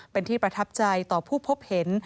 เป็นที่ประทับใจต่อผู้พบเห็น